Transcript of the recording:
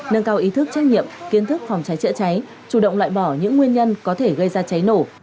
nâng cao ý thức trách nhiệm kiến thức phòng cháy chữa cháy chủ động loại bỏ những nguyên nhân có thể gây ra cháy nổ